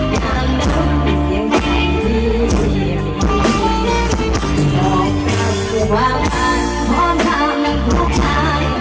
แล้วคือที่เราอยู่สวัสดี